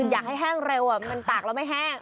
อยากให้แห้งเร็วมันตากแล้วไม่แห้ง